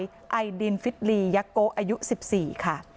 หนูไอดินฟิตลียักโกะอายุสิบสี่ค่ะ